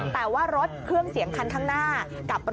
แต่ว่ารถเครื่องเสียงคันข้างหน้ากับรถ